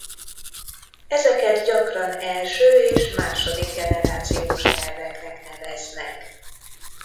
Ezeket gyakran első- és második generációs nyelveknek neveznek.